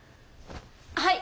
はい！